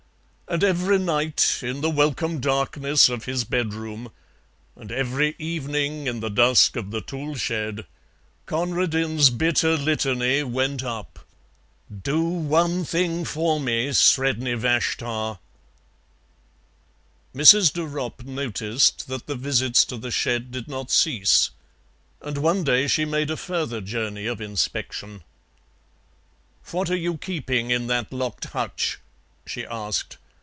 And every night, in the welcome darkness of his bedroom, and every evening in the dusk of the tool shed, Conradin's bitter litany went up: "Do one thing for me, Sredni Vashtar." Mrs. de Ropp noticed that the visits to the shed did not cease, and one day she made a further journey of inspection. "What are you keeping in that locked hutch?" she asked.